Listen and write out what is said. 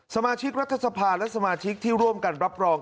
สมาชิกรัฐสภาและสมาชิกที่ร่วมกันรับรอง